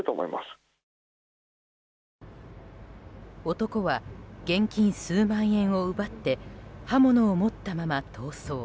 男は現金数万円を奪って刃物を持ったまま逃走。